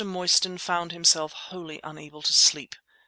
Mostyn found himself wholly unable to sleep.